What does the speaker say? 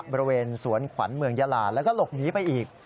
บริเวณสวนขวัญเมืองยาลาแล้วก็หลบหนีไปอีก